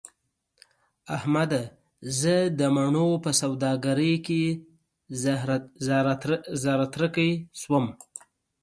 احمده! زه د مڼو په سوداګرۍ کې زهره ترکی شوم.